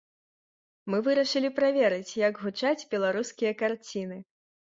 Мы вырашылі праверыць, як гучаць беларускія карціны.